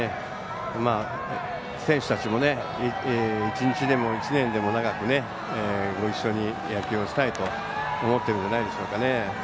選手たちも１日でも１年でも長く一緒に野球をしたいと思っているんじゃないでしょうか。